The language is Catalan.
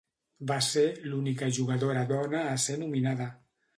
Va ser l'única jugadora dona a ser nominada.